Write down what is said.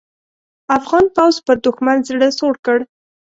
افغان پوځ پر دوښمن زړه سوړ کړ.